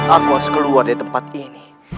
aku harus keluar dari tempat ini